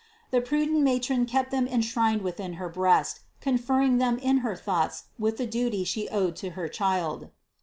The prudent matron kept them enshrined within her breast, conferring them in her thoughts with the duties she owed to her Child.